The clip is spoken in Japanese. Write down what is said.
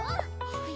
はい。